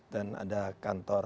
dan ada kantor